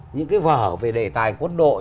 những cái vở về đề tài quân đội